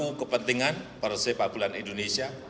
untuk kepentingan para sepak bola indonesia